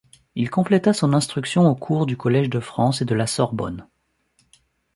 Il compléta son instruction aux cours du Collège de France et de la Sorbonne.